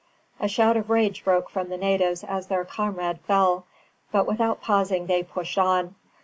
A shout of rage broke from the natives as their comrade fell; but without pausing they pushed on.